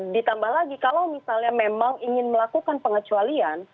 ditambah lagi kalau misalnya memang ingin melakukan pengecualian